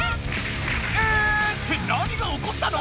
⁉「え⁉」って何がおこったの？